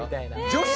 女子？